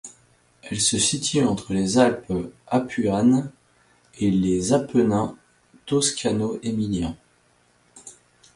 Elle se situe entre les Alpes Apuanes et les Apennins toscano-émiliens.